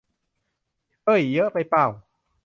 เอ้ย เยอะไปป่าว